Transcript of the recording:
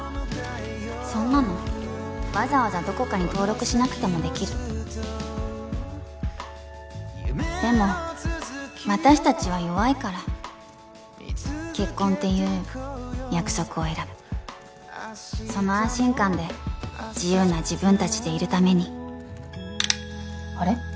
そんなのわざわざどこかに登録しなくてもできるでも私達は弱いから結婚っていう約束を選ぶその安心感で自由な自分達でいるためにあれ？